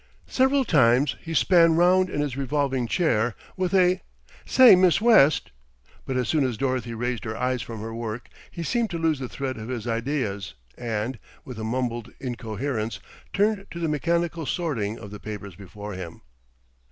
Several times he span round in his revolving chair with a "Say, Miss West;" but as soon as Dorothy raised her eyes from her work, he seemed to lose the thread of his ideas and, with a mumbled incoherence, turned to the mechanical sorting of the papers before him.